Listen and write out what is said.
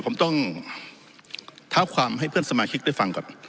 ผมต้องเท้าความให้เพื่อนสมาชิกได้ฟังก่อน